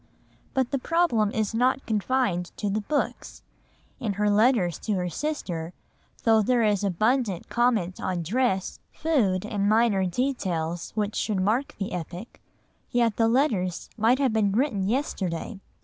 But the problem is not confined to the books; in her letters to her sister, though there is abundant comment on dress, food, and minor details which should mark the epoch, yet the letters might have been written yesterday.